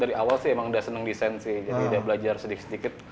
dari awal sih emang udah seneng desain sih jadi udah belajar sedikit sedikit